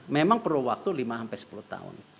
memang perlu waktu lima sampai sepuluh tahun